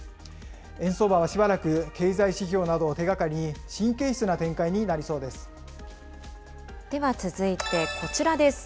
円相場はしばらく経済指標などを手がかりに神経質な展開になりそでは続いてこちらです。